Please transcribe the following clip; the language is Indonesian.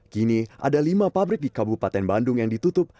kini ada lima pabrik di kabupaten bandung yang ditutup